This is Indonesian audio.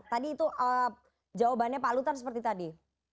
tadi itu jawabannya pak lutan seperti tadi